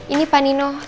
ini pak nino